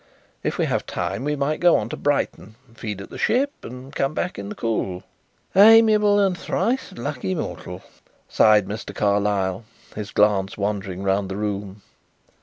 If we have time we might go on to Brighton, feed at the 'Ship,' and come back in the cool." "Amiable and thrice lucky mortal," sighed Mr. Carlyle, his glance wandering round the room.